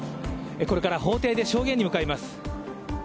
これから法廷で証言に向かいます。